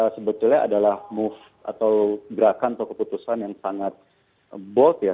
sebetulnya adalah move atau gerakan atau keputusan yang sangat bold ya